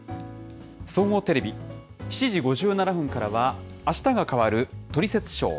総合テレビ、７時５７分からは、あしたが変わるトリセツショー。